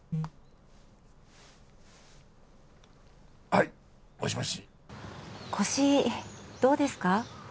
はいもしもし腰どうですか？